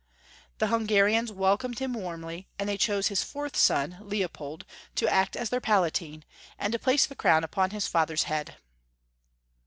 The Hungarians welcomed him warmly, and they chose his fourth son, Leopold, to act as their Palatine, and to place the crown upon his father's head.